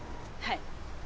はい。